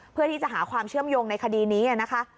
เพื่อที่จะหาความเชื่อมโยงในคดีนี้นะคะ